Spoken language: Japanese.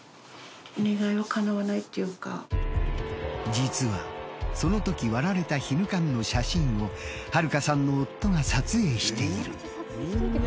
実はそのとき割られたヒヌカンの写真を春香さんの夫が撮影している。